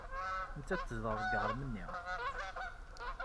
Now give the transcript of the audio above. Nettat tezdeɣ deg yiɣrem-nni.